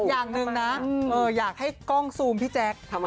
อย่างหนึ่งนะอยากให้กล้องซูมพี่แจ๊ค